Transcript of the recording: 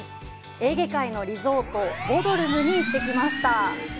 エーゲ海のリゾート、ボドルムに行ってきました。